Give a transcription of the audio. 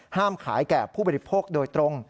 ขายแก่ผู้บริโภคโดยตรง